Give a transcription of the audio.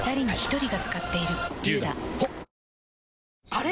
あれ？